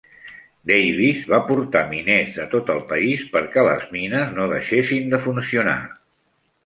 Davis va portar miners de tot el país perquè les mines no deixessin de funcionar.